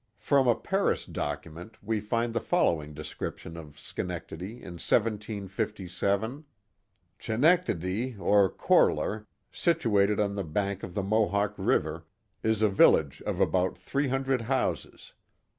From a Paris document we find the following description of Schenectady in 1757; Chenectedi, or Corlar, situated on the bank of the Mohawk River, is a village of about three hundred houses.